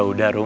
ya udah rom